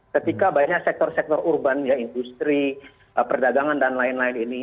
ketika banyak sektor sektor urban industri perdagangan dan lain lain ini